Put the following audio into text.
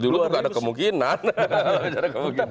dulu itu enggak ada kemungkinan